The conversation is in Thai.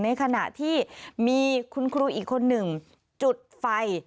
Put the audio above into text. ในขณะที่มีคุณครูอีกคนหนึ่งจุดไฟ